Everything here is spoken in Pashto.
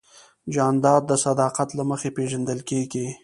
جانداد د صداقت له مخې پېژندل کېږي.